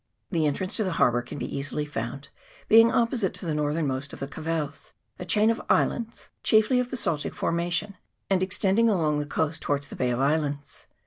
The entrance to the harbour can be easily found, being opposite to the northernmost of the Cavelles, a chain of islands chiefly of basaltic formation, and extending along the coast towards the Bay of Islands.